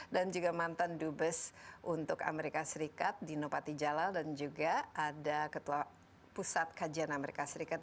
dan juga mantan dubes untuk amerika serikat dino patijalal dan juga ada ketua pusat kajian amerika serikat